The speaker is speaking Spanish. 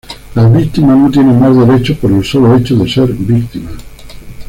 Las víctimas no tienen más derecho por el solo hecho de ser víctimas".